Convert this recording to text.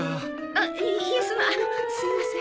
あっいえそのすみません。